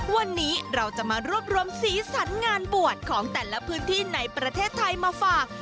วันนี้เราจะมารวบรวมสีสันงานบวชของแต่ละพื้นที่ในประเทศไทยมาฝาก